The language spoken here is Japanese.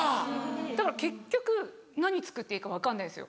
だから結局何作っていいか分かんないんですよ。